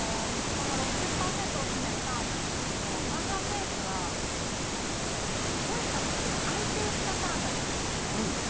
６０％を占めるターンなんですが川村選手はとにかく安定したターンができるんですね。